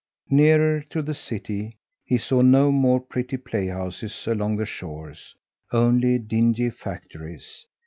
Nearer to the city he saw no more pretty playhouses along the shores only dingy factories.